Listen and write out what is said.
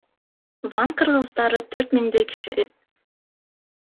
Ван кыргыздары төрт миңдей киши.